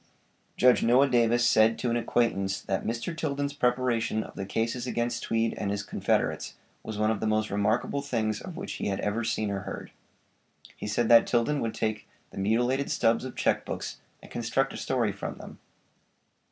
Judge Noah Davis said to an acquaintance that 'Mr. Tilden's preparation of the cases against Tweed and his confederates was one of the most remarkable things of which he had ever seen or heard. He said that Tilden would take the mutilated stubbs of check books, and construct a story from them.